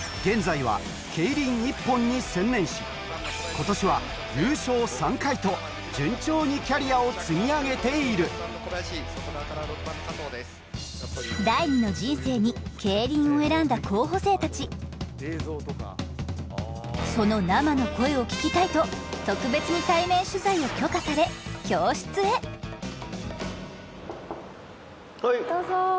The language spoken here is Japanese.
今年は順調にキャリアを積み上げている第２の人生に競輪を選んだ候補生たちその生の声を聞きたいと特別に対面取材を許可され教室へどうぞ。